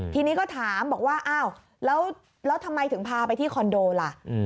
ทีนี้ก็ถามบอกว่าอ้าวแล้วทำไมถึงพาไปที่คอนโดล่ะ